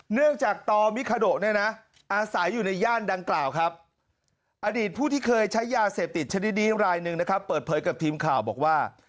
เนื่องจากตมิคาโดเนี่ยนะอาศัยอยู่ในย่านดังกล่าวครับอดีตผู้ที่เคยใช้ยาเสพติดชนิดนี้รายหนึ่งนะครับเปิดเผยกับทีมข่าวบอกว่า